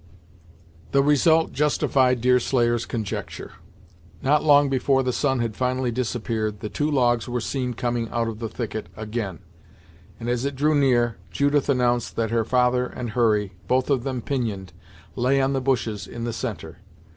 The result justified Deerslayer's conjecture. Not long before the sun had finally disappeared, the two logs were seen coming out of the thicket, again, and as it drew near, Judith announced that her father and Hurry, both of them pinioned, lay on the bushes in the centre.